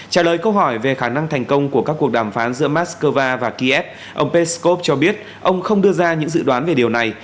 trả lời câu hỏi về khả năng thành công của các cuộc đàm phán giữa moscow và kiev ông peskov cho biết ông không đưa ra những dự đoán về điều này